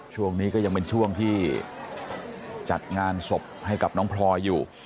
ช่วงนี้ก็ยังเป็นช่วงที่จัดงานศพให้กับน้องพลอยอยู่